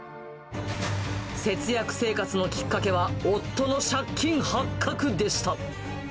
節約生活のきっかけは夫の借金発覚でした。